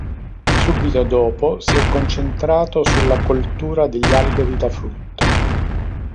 Subito dopo si è concentrato sulla coltura degli alberi da frutto.